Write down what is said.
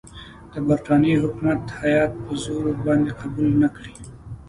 د برټانیې حکومت هیات په زور ورباندې قبول نه کړي.